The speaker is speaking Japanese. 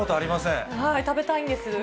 食べたいんです。